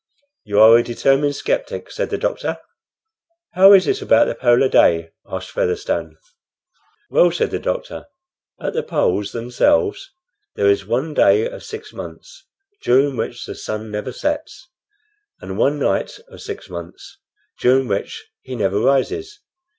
"You are a determined sceptic," said the doctor. "How is it about the polar day?" asked Featherstone. "Well," said the doctor, "at the poles themselves there is one day of six months, during which the sun never sets, and one night of six months, during which he never rises.